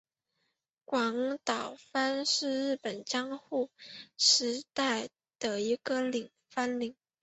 广岛藩是日本江户时代的一个藩领。